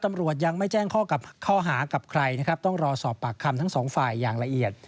ตำรวจยังไม่แจ้งข้อกับใครนะครับต้องรอสอบปากคำทั้งสองฝ่ายอย่างละเอียด